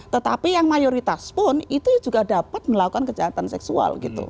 tetapi yang mayoritas pun itu juga dapat melakukan kejahatan seksual gitu